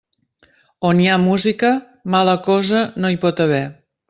On hi ha música, mala cosa no hi pot haver.